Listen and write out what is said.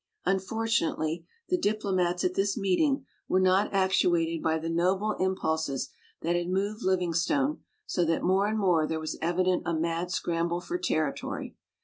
Unfortunately the diplomats at this meeting were not actuated by the noble impulses that had moved Livingstone, so that more and more there was evident a mad scramble for territory.